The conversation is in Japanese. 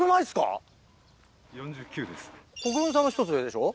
国分さんの１つ上でしょ？